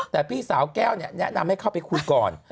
แต่พี่สาวแก้วแนะนำให้เข้าไปคุยก่อน